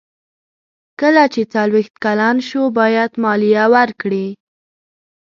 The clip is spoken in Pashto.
کله چې څلویښت کلن شو باید مالیه ورکړي.